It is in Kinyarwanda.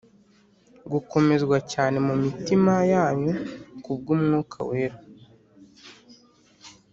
gukomezwa cyane mu mitima yanyu ku bw'Umwuka we;